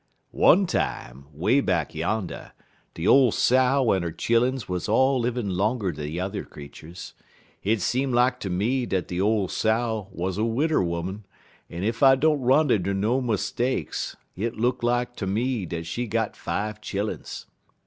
"One time, 'way back yander, de ole Sow en er chilluns wuz all livin' 'longer' de yuther creeturs. Hit seem lak ter me dat de ole Sow wuz a widder 'oman, en ef I don't run inter no mistakes, hit look like ter me dat she got five chilluns.